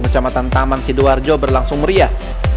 kecamatan taman sidoarjo berlangsung meriah